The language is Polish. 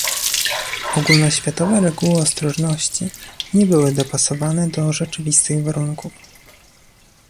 Ogólnoświatowe reguły ostrożności nie były dopasowane do rzeczywistych warunków